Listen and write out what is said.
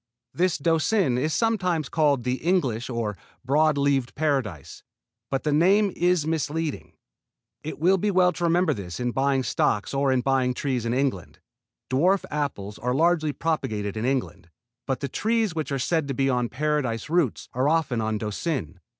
This Doucin is sometimes called the English or Broad Leaved Paradise, but this name is misleading. It will be well to remember this in buying stocks or in buying trees in England. Dwarf apples are largely propagated in England, but the trees which are said to be on Paradise roots are often on Doucin.